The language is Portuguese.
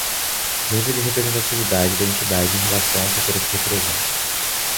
Nível de representatividade da entidade em relação ao setor que representa.